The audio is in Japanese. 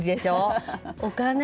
お金？